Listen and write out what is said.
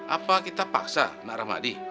apa kita paksa nak rahmadi